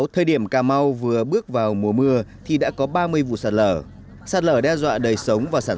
thời điểm cà mau vừa bước vào mùa mưa thì đã có ba mươi vụ sạt lở sạt lở đe dọa đời sống và sản